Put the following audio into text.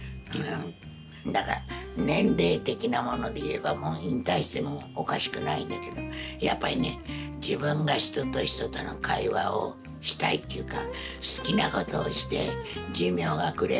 だから年齢的なものでいえばもう引退してもおかしくないんだけどやっぱりね自分が人と人との会話をしたいっていうか好きなことをして寿命がくれば逝きます。